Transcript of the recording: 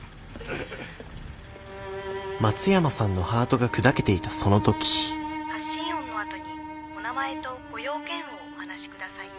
松山さんのハートが砕けていたその時「発信音のあとにお名前とご用件をお話し下さい」。